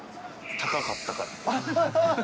高かったから。